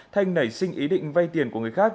thanh nảy sinh ý định vay tiền của người khác